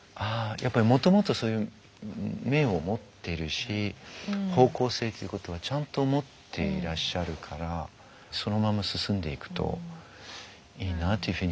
やっぱりもともとそういう面を持ってるし方向性っていうことはちゃんと持っていらっしゃるからそのまま進んでいくといいなというふうには思いますね。